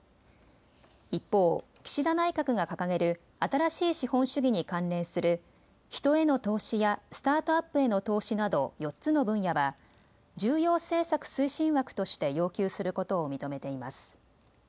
一方、岸田内閣が掲げる新しい資本主義に関連する人への投資やスタートアップへの投資など４つの分野は重要政策推進枠として要求することを認めています。